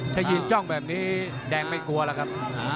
ถ้ายืนจ้องแบบนี้แดงไม่กลัวแล้วครับ